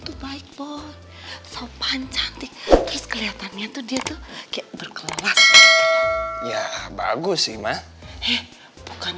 tuh baik banget sopan cantik terus kelihatannya tuh dia tuh kayak bergerak ya bagus sih mak bukan